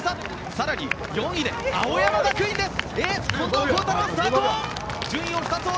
更に４位で青山学院です。